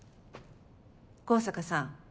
高坂さん